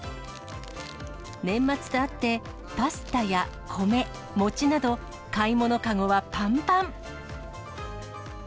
年末とあって、パスタや米、餅など、買い物籠はぱんぱん。